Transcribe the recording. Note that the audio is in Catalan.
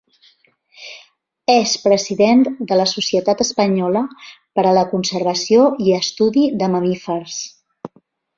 És president de la Societat Espanyola per a la Conservació i Estudi de Mamífers.